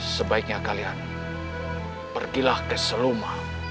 sebaiknya kalian pergilah ke seluma